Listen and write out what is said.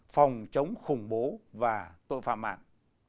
phòng chống khủng bố và tội phạm mạng